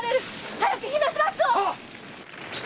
早く火の始末を！